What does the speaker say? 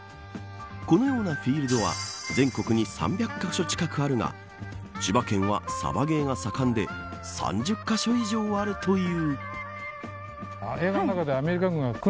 このようなフィールドは全国に３００カ所近くあるが千葉県はサバゲーが盛んで３０カ所以上あるという。